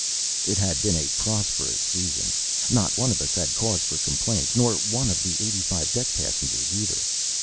It had been a prosperous season. Not one of us had cause for complaint, nor one of the eighty five deck passengers either.